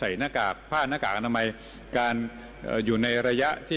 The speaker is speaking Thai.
ไม่อยากซับกลายแนะนางรักแม้สร้างลิครัง